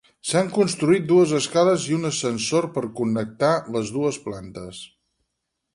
S'han construït dues escales i un ascensor per connectar les dues plantes.